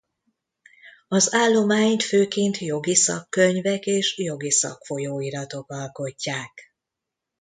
Az állományt főként jogi szakkönyvek és jogi szakfolyóiratok alkotják.